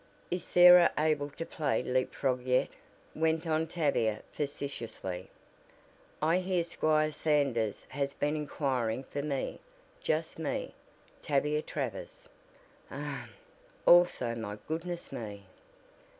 "Is Sarah able to play leap frog yet?" went on Tavia facetiously. "I hear Squire Sanders has been inquiring for me just me, Tavia Travers. Ahem! Also my goodness me!